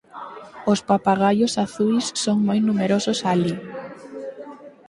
Os papagaios azuis son moi numerosos alí.